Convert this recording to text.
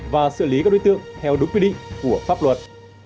và xử lý các đối tượng theo đúng quy định của pháp luật